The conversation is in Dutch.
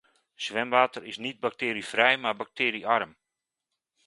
Zwemwater is niet bacterievrij maar bacteriearm.